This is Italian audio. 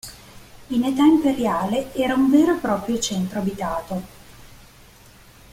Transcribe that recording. In età imperiale era un vero e proprio cento abitato.